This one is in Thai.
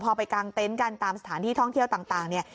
พอไปกางเต็นต์กันตามสถานที่ท่องเที่ยวต่างเนี่ย